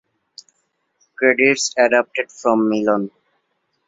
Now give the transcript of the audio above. Credits adapted from Melon.